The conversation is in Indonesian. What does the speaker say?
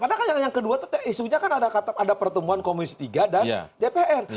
karena yang kedua itu isunya kan ada pertemuan komisi tiga dan dpr